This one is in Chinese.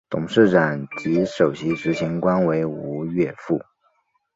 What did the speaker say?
董事长及首席执行官为吴乐斌。